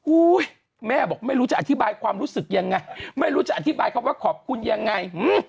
แม่บอกไม่รู้จะอธิบายความรู้สึกยังไงไม่รู้จะอธิบายคำว่าขอบคุณยังไง